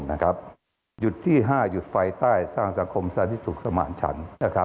หยุดที่๕หยุดไฟใต้สร้างสังคมสาธิสุขสมานฉัน